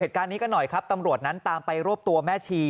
เหตุการณ์นี้ก็หน่อยครับตำรวจนั้นตามไปรวบตัวแม่ชี